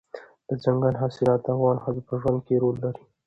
دځنګل حاصلات د افغان ښځو په ژوند کې رول لري.